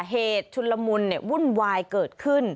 เหตุชุนละมุลเนี่ยวุ่นวายเกิดขึ้น